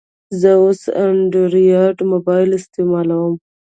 زه اوس انډرایډ موبایل استعمالوم.